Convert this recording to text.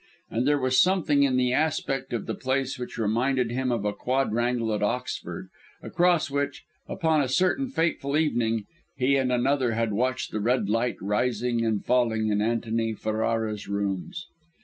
And there was something in the aspect of the place which reminded him of a quadrangle at Oxford, across which, upon a certain fateful evening, he and another had watched the red light rising and falling in Antony Ferrara's rooms.